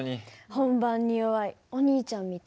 本番に弱いお兄ちゃんみたい。